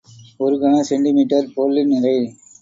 ஒரு கன செண்டிமீட்டர் பொருளின் நிறை.